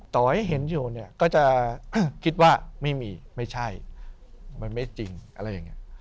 ต่อให้เห็นอยู่เนี่ยก็จะคิดว่าไม่มีไม่ใช่มันไม่จริงอะไรอย่างนี้